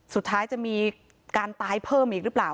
สุดท้ายจะมีการตายเพิ่มอีกหรือเปล่า